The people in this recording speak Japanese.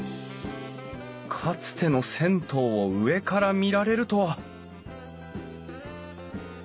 かつての銭湯を上から見られるとは！